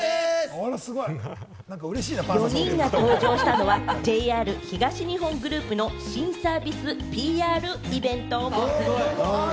４人が登場したのはＪＲ東日本グループの新サービスＰＲイベント。